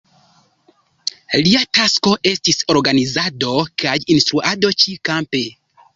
Lia tasko estis organizado kaj instruado ĉi-kampe.